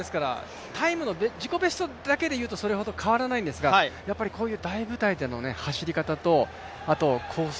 自己ベストだけでいうと、それほど変わらないんですがやっぱりこういう大舞台での走り方とコース